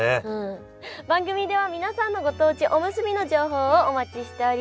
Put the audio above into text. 番組では皆さんのご当地おむすびの情報をお待ちしております！